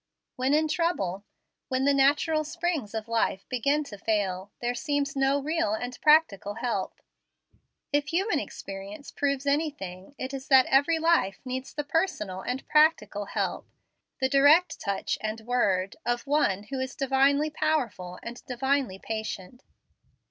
When in trouble, when the natural springs of life begin to fail, there seems no real and practical help. If human experience proves anything it is that every life needs the personal and practical help the direct touch and word of One who is Divinely powerful and Divinely patient.